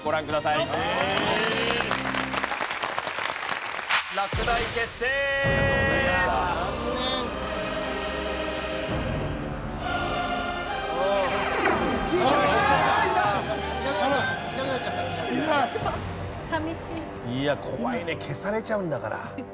いやあ怖いね消されちゃうんだから。